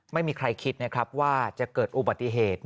ไม่มีใครคิดนะครับว่าจะเกิดอุบัติเหตุ